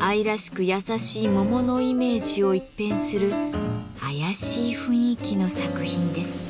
愛らしく優しい桃のイメージを一変する怪しい雰囲気の作品です。